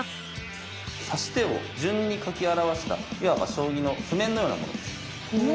指し手を順に書き表したいわば将棋の譜面のようなものです。